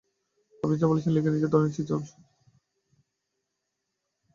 আপনি যা বলছেন লিখে নিচ্ছি এবং ধরে নিচ্ছি যা বলছেন সবই সত্য।